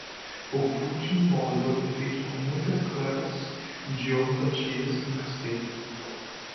O pudim molotov é feito com muitas claras de ovo batidas em castelo.